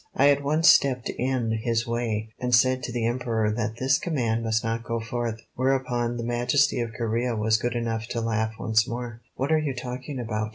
I at once stepped in his way, and said to the Emperor that this command must not go forth, whereupon the Majesty of Corea was good enough to laugh once more. "What are you talking about?"